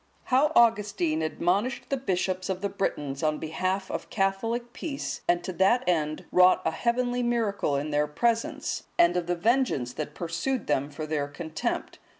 How Augustine admonished the bishops of the Britons on behalf of Catholic peace, and to that end wrought a heavenly miracle in their presence; and of the vengeance that pursued them for their contempt.